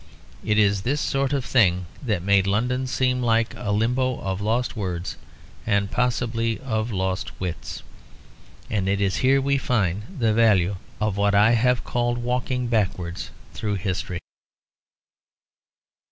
It is this sort of thing that made London seem like a limbo of lost words, and possibly of lost wits. And it is here we find the value of what I have called walking backwards through history.